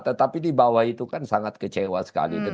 tetapi di bawah itu kan sangat kecewa sekali